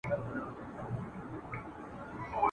تا به له زګېروي سره بوډۍ لکړه راولي ..